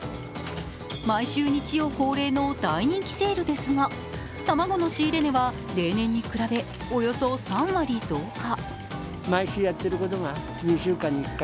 毎週日曜恒例の大人気セールですが卵の仕入れ値は例年に比べおよそ３割増加。